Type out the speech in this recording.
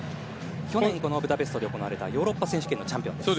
去年、このブダペストで行われたヨーロッパ大会のチャンピオンです。